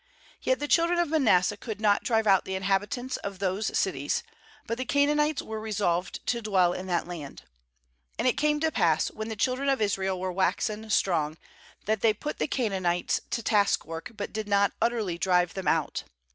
12Yet the children of Manasseh could not drive out the inhabitants of those cities ; but the Canaanites were resolved to dwell in that land. wAnd it came to pass, when the children of Israel were waxen strong, that they put the Ca naanites to taskwork, but did not utterly drive them out.